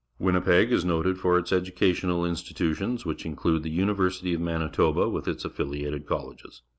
Winnipeg is noted for its educational institutions, which include the University of Manitoba with its affiUated colleges.